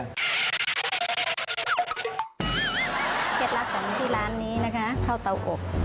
เคล็ดลับของที่ร้านนี้นะคะข้าวเตาอบ